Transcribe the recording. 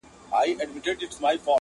ستونی د شپېلۍ به نغمه نه لري؛